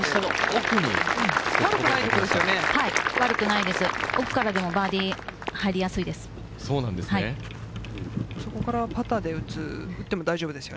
奥からでもバーディーは入りやすいです。